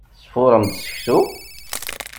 Tesfurrem-d seksu?